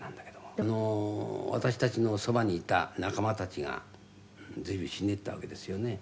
「私たちのそばにいた仲間たちが随分死んでいったわけですよね」